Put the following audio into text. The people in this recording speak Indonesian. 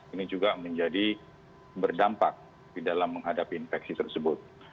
ini juga menjadi berdampak di dalam menghadapi infeksi tersebut